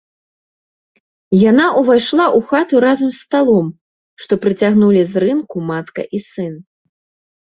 Яна ўвайшла ў хату разам з сталом, што прыцягнулі з рынку матка і сын.